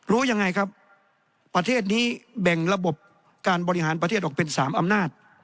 รู้ยังไงครับประเทศนี้แบ่งระบบการบริหารประเทศออกเป็น๓อำนาจ